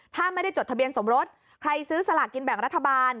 ถ้าไม่ได้จดทะเบียนสมรสใครซื้อสลากกินแบ่งรัฐบาล